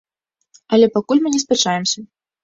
Але пакуль мы не спяшаемся.